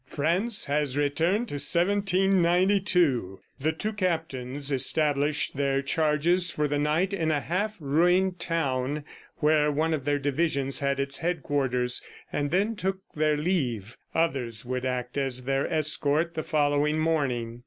"France has returned to 1792." The two captains established their charges for the night in a half ruined town where one of their divisions had its headquarters, and then took their leave. Others would act as their escort the following morning.